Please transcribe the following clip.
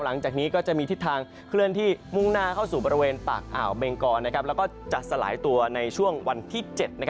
หลังจากนี้ก็จะมีทิศทางเคลื่อนที่มุ่งหน้าเข้าสู่บริเวณปากอ่าวเบงกรแล้วก็จะสลายตัวในช่วงวันที่๗